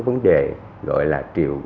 vấn đề gọi là triệu